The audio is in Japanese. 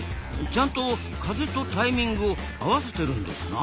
ちゃんと風とタイミングを合わせてるんですな。